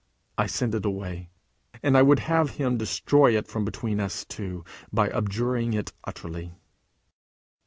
I send it away. And I would have him destroy it from between us too, by abjuring it utterly."